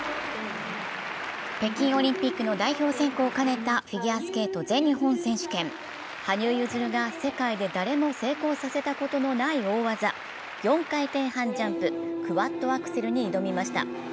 北京オリンピックの代表選考を兼ねたフィギュアスケート全日本選手権羽生結弦が世界で誰も成功させたことのない大技、４回転半ジャンプ、クワッドアクセルに挑みました。